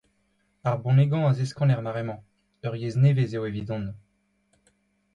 Ar bonegañ a zeskan er mare-mañ : ur yezh nevez eo evidon.